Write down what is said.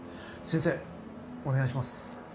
先生お願いします。